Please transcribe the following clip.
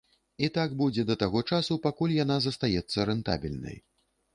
І так будзе да таго часу, пакуль яна застаецца рэнтабельнай.